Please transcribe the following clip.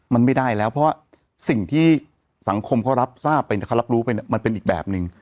มันไม่ได้แล้วเพราะสิ่งที่สังคมเขารับรู้ไปมันเป็นอีกแบบนึง